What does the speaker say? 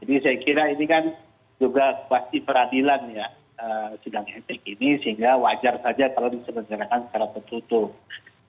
jadi saya kira ini kan juga pasti peradilan ya sidang etik ini sehingga wajar saja kalau diselenggarakan secara tertutup